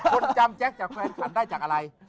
คนจำแจ๊คจากแฟนฉันได้จากอะไร